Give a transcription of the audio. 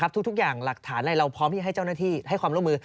ทุกอย่างหลักฐานอะไรเราพร้อมที่ให้เจ้าหน้าที่ให้ความร่วมมือ